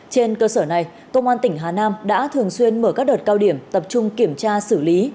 trên cơ sở này công an tỉnh hà nam đã thường xuyên mở các đợt cao điểm tập trung kiểm tra xử lý